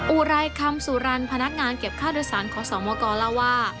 อุรายคำสุรรรณพนักงานเก็บค่าเดือดสารของสมกลว่า